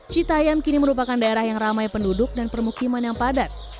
citayam kini merupakan daerah yang ramai penduduk dan permukiman yang padat